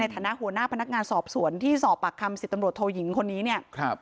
ฐานะหัวหน้าพนักงานสอบสวนที่สอบปากคำ๑๐ตำรวจโทยิงคนนี้เนี่ย